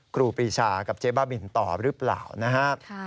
ครูปีชากับเจ๊บ้าบินต่อหรือเปล่านะครับ